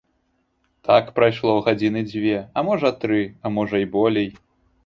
Так прайшло гадзіны дзве, а можа тры, а можа і болей.